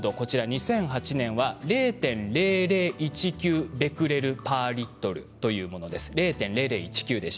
２００８年は０．００１９ベクレルパーリットルというものでした。